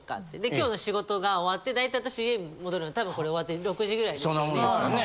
今日の仕事が終わって大体私家に戻るの多分これ終わって６時ぐらいですかね？